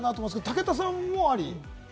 武田さんも、あり。